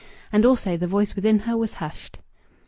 And also the voice within her was hushed.